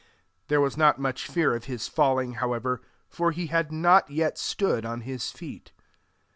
There was not much fear of his falling, however, for he had not yet stood on his feet.